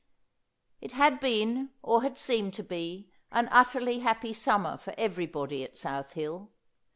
It had been, or had seemed to be, an utterly happy summer for everybody at South Hill.